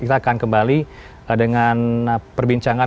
kita akan kembali dengan perbincangan